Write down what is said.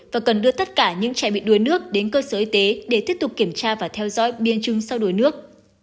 và cần đưa tất cả những trẻ bị đuối nước đến cơ sở y tế để tiếp tục kiểm tra và theo dõi biến chứng sau đuối nước